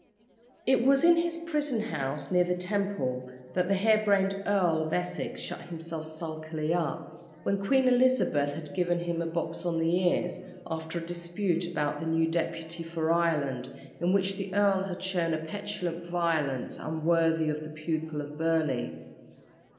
It was in his prison house near the Temple that the hair brained Earl of Essex shut himself sulkily up, when Queen Elizabeth had given him a box on the ears, after a dispute about the new deputy for Ireland, in which the earl had shown a petulant violence unworthy of the pupil of Burleigh.